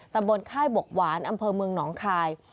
บนค่ายบกหวานอำเภอเมืองหนองคาย